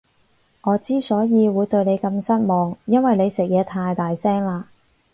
我之所以會對你咁失望，因為你食嘢太大聲喇